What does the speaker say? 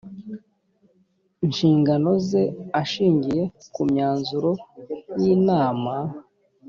nshingano ze ashingiye ku myanzuro y inama